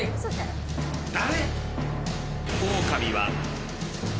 誰！？